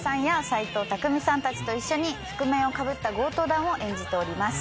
斎藤工さんたちと一緒に覆面をかぶった強盗団を演じております。